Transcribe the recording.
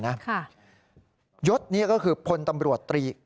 ยุทธวิธีที่นี่ก็คือคนตำรวจตรี